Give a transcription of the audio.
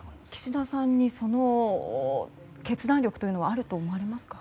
岸田さんにその決断力というのはあると思われますか。